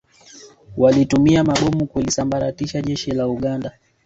Walitumia mabomu kulisambaratisha Jeshi la Uganda